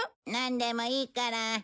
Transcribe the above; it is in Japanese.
なんでもいいから。